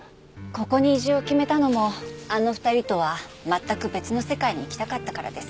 ここに移住を決めたのもあの２人とは全く別の世界に行きたかったからです。